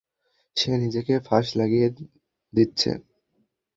সে নিজেকে ফাঁস লাগিয়ে দিচ্ছে।